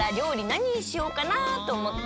なににしようかなとおもって。